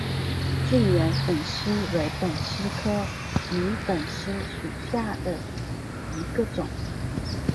近圆粉虱为粉虱科迷粉虱属下的一个种。